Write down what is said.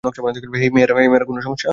হেই, মেয়েরা, কোনো সমস্যা?